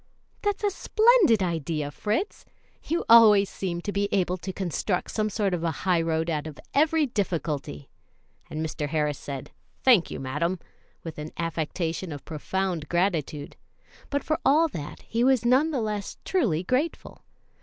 "That's a splendid idea, Fritz; you always seem to be able to construct some sort of a highroad out of every difficulty;" and Mr. Harris said, "Thank you, madam," with an affectation of profound gratitude; but for all that he was none the less truly grateful.